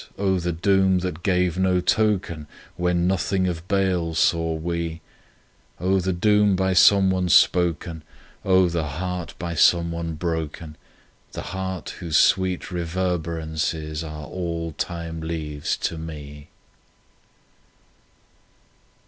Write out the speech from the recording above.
— O the doom that gave no token, When nothing of bale saw we: O the doom by someone spoken, O the heart by someone broken, The heart whose sweet reverberances are all time leaves to me.